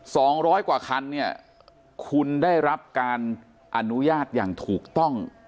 สองร้อยกว่าคันเนี่ยคุณได้รับการอนุญาตอย่างถูกต้อง